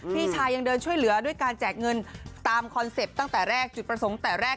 พี่ชายังเดินช่วยเหลือด้วยการแจกเงินตามคอนเซ็ปต์ตั้งแต่แรก